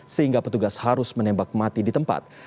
sehingga petugas harus menembak mati di tempat